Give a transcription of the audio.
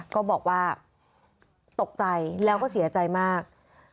ก็บอกว่าตกใจแล้วก็เสียใจมาก